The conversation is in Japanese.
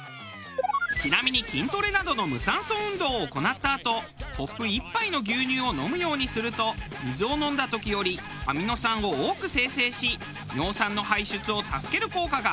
ちなみに筋トレなどの無酸素運動を行ったあとコップ１杯の牛乳を飲むようにすると水を飲んだ時よりアミノ酸を多く生成し尿酸の排出を助ける効果があるそうです。